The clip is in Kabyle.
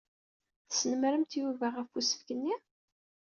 Tesnemmremt Yuba ɣef usefk-nni.